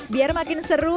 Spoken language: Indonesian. biar makin seru